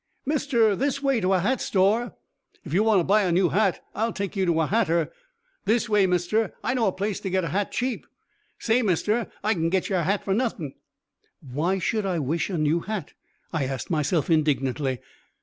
"Mister, this way to a hat store." "If you want to buy a new hat, I'll take you to a hatter." "This way, Mister, I know a place to get a hat cheap." "Say, Mister, I kin get yer a hat fer nothin'." Why should I wish a new hat? I asked myself indignantly.